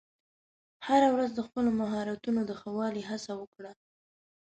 هره ورځ د خپلو مهارتونو د ښه والي هڅه وکړه.